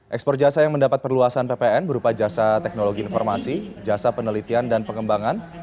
ekspor jasa yang mendapat perluasan ppn berupa jasa teknologi informasi jasa penelitian dan pengembangan